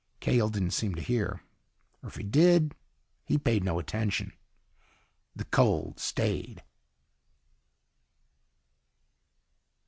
Cahill didn't seem to hear. Or if he did, he paid no attention. The cold stayed.